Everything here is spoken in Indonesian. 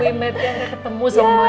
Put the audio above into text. akhirnya ketemu semuanya randy